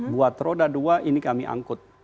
buat roda dua ini kami angkut